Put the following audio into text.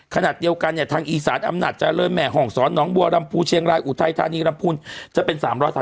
ขนาดเดียวกันเนี่ยทางอีสานอำนัดจารย์เริ่มแหม่ห่องสอนหนองบัวรัมภูเชียงรายอุไทยธานีรัมภูจะเป็น๓๓๒บาท